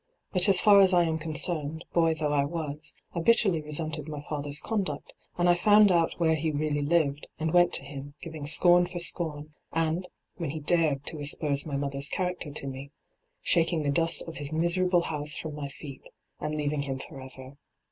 ' But as far as I am concerned, boy though I was, I bitterly resented my father's conduct ; and I found out where he really lived, and went to him, giving scorn for scorn, and, when he dared to asperse my mother's character to me, shaking the dust of his miserable house from my feet and leaving him for ever.